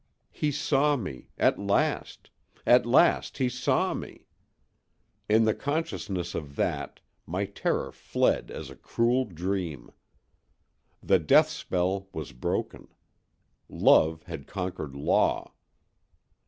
He saw me—at last, at last, he saw me! In the consciousness of that, my terror fled as a cruel dream. The death spell was broken: Love had conquered Law!